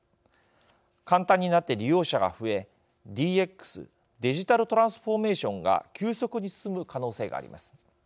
簡単になって利用者が増えＤＸ＝デジタルトランスフォーメーションが急速に進む可能性があります。